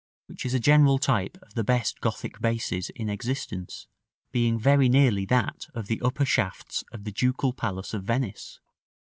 which is a general type of the best Gothic bases in existence, being very nearly that of the upper shafts of the Ducal Palace of Venice.